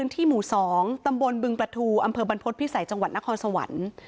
ที่หมู่๒ตำบลบึงประทูอำเภอบรรพฤษภิษัยจังหวัดนครสวรรค์